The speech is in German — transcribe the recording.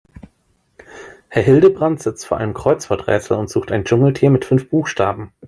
Herr Hildebrand sitzt vor einem Kreuzworträtsel und sucht ein Dschungeltier mit fünf Buchstaben.